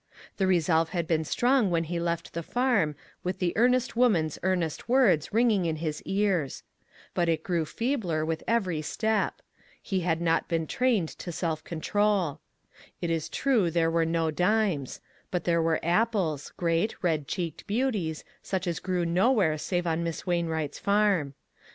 The resolve had been strong when he left the farm, with the earnest woman's earnest •words ringing in his ears. But it grew feebler with every step ; he had not been trained 234 ONE COMMONPLACE DAY. to self control. It is true there were no dimes, but there were apples, great, red cheeked beauties, such as grew nowhere save on Miss Wainwright's farm.